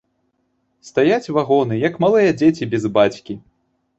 Стаяць вагоны, як малыя дзеці без бацькі.